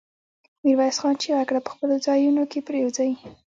ميرويس خان چيغه کړه! په خپلو ځايونو کې پرېوځي.